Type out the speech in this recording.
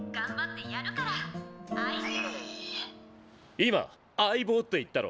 今相棒って言ったろ？